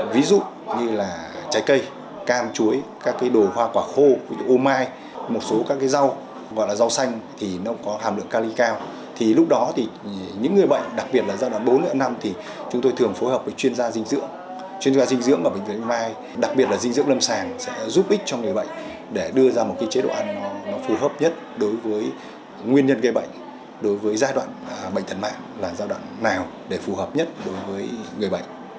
ví dụ như là trái cây cam chuối các cái đồ hoa quả khô ô mai một số các cái rau gọi là rau xanh thì nó có hàm lượng ca ly cao thì lúc đó thì những người bệnh đặc biệt là giai đoạn bốn năm thì chúng tôi thường phối hợp với chuyên gia dinh dưỡng chuyên gia dinh dưỡng và bệnh viện mai đặc biệt là dinh dưỡng lâm sàng sẽ giúp ích cho người bệnh để đưa ra một cái chế độ ăn nó phù hợp nhất đối với nguyên nhân gây bệnh đối với giai đoạn bệnh thật mạng là giai đoạn nào để phù hợp nhất đối với người bệnh